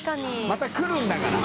また来るんだから。